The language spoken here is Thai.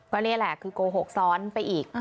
ก็นี่แหละคือโกหกซ้อนไปอีก